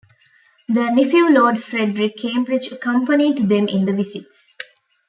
Their nephew Lord Frederick Cambridge accompanied them in the visits.